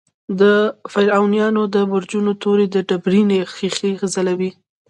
د فرعونیانو د برجونو تورې ډبرینې ښیښې ځلولې.